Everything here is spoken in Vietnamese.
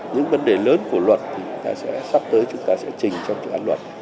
những vấn đề lớn của luật thì sắp tới chúng ta sẽ chỉnh trong trường án luật